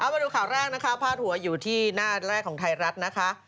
มาดูข่าวแรกนะคะพาดหัวอยู่ที่หน้าแรกของไทยรัฐนะคะ